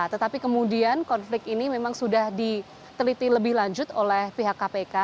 tetapi kemudian konflik ini memang sudah diteliti lebih lanjut oleh pihak kpk